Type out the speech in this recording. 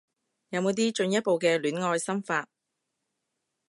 有冇啲進一步嘅戀愛心法